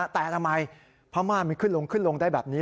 แต่ทำไมผ้าม่านมันขึ้นลงได้แบบนี้